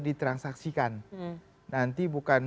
ditransaksikan nanti bukan